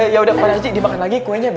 ya udah dimakan lagi kuenya